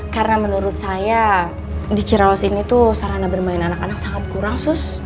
karena menurut saya di ciraos ini tuh sarana bermain anak anak sangat kurang sus